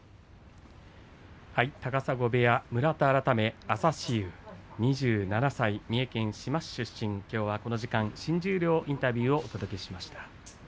高砂部屋村田改め朝志雄２７歳、三重県志摩市出身きょうはこの時間新十両インタビューをお届けしました。